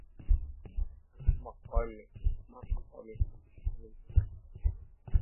McCormick has returned to teaching history in Rutgers' Graduate School of Education.